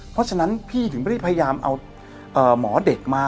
เพราะฉะนั้นพี่ถึงไม่ได้พยายามเอาหมอเด็กมา